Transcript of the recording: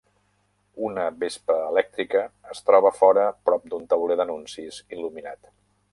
Una vespa elèctrica es troba fora prop d'un tauler d'anuncis il·luminat.